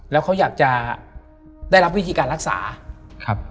แล้วเขาอยากจะได้รับวิธีการรักษาครับ